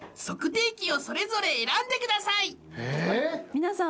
皆さん